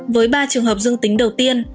với ba trường hợp dương tính đầu tiên